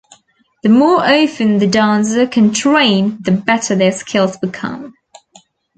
The more often the dancer can train the better their skills become.